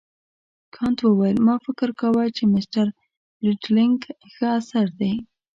کانت وویل ما فکر کاوه چې مسټر برېټلنیګ ښه اثر دی.